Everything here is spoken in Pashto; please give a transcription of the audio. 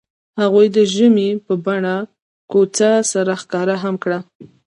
هغوی د ژمنې په بڼه کوڅه سره ښکاره هم کړه.